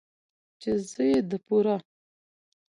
،چې زه يې د پوره